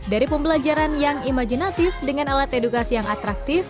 dari pembelajaran yang imajinatif dengan alat edukasi yang atraktif